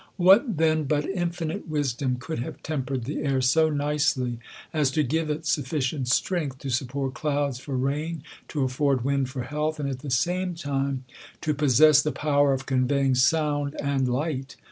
What then but infinite wisdom could have tempered the air so nicely, as to give it suf ficient strength to support clouds for rain, to aflbrd wind for health, and at the same time to possess the power of conveying sound and light